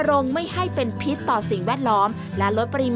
รนรงว์ไม่ให้เป็นพิษต่อสิ่งแวดล้อมก็สามารถส่งไปแลี่ยว